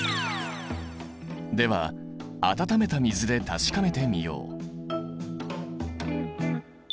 では温めた水で確かめてみよう。